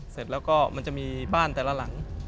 เสร็จแล้วก็มันจะมีบ้านแต่ละหลัง